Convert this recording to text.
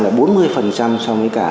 là bốn mươi so với cả